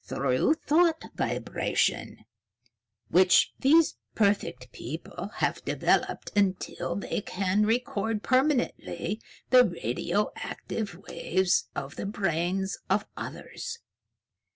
"Through thought vibration, which these perfect people have developed until they can record permanently the radioactive waves of the brains of others."